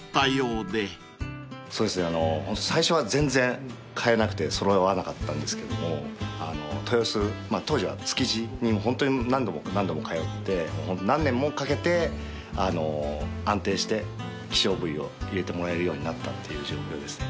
最初は全然買えなくて揃わなかったんですけども豊洲当時は築地にホントに何度も何度も通って何年もかけて安定して希少部位を入れてもらえるようになったっていう状況ですね。